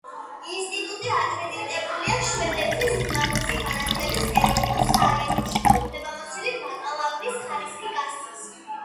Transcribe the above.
ინსტიტუტი აკრედიტებულია შვედეთის უმაღლესი განათლების ეროვნულ სააგენტოში და უფლებამოსილია ბაკალავრის ხარისხი გასცეს.